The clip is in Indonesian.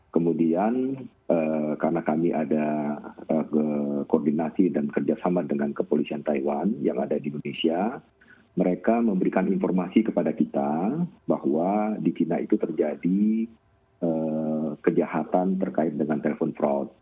kemudian karena kami ada koordinasi dan kerjasama dengan kepolisian taiwan yang ada di indonesia mereka memberikan informasi kepada kita bahwa di china itu terjadi kejahatan terkait dengan telepon fraud